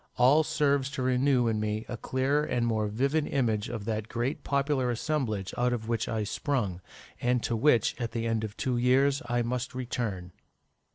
All serves to renew in me a clearer and more vivid image of that great popular assemblage out of which I sprung, and to which, at the end of two years, I must return."